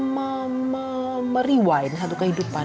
me rewind satu kehidupan